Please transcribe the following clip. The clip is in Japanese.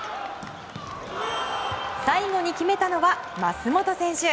最後に決めたのはマスモト選手。